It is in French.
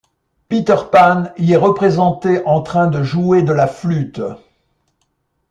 Peter Pan y est représenté en train de jouer de la flûte.